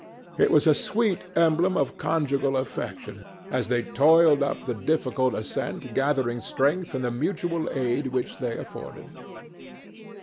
It was a sweet emblem of conjugal affection as they toiled up the difficult ascent gathering strength from the mutual aid which they afforded.